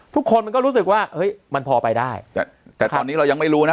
ทุกคนมันก็รู้สึกว่าเฮ้ยมันพอไปได้แต่แต่ตอนนี้เรายังไม่รู้นะ